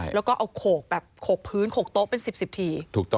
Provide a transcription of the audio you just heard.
แล้วก็เอาโขกแบบโขกพื้นโขกโต๊ะเป็น๑๐ที